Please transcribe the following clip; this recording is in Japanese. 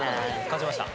勝ちました。